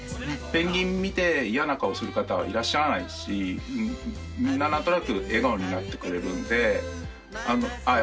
ペンギン見て嫌な顔する方はいらっしゃらないですしみんな何となく笑顔になってくれるんでああ